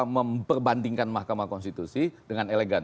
memperbandingkan mahkamah konstitusi dengan elegan